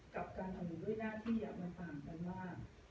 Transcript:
กับการทำงานด้วยหน้าที่อยากมาต่างกันมาก